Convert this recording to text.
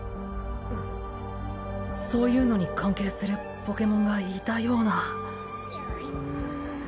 うんそういうのに関係するポケモンがいたような。